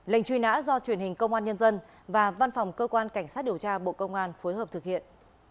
lệnh truy nã do truyền hình công an nhân dân và văn phòng cơ quan cảnh sát điều tra bộ công an phối hợp thực hiện